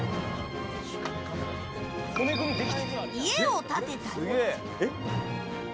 家を建てたり。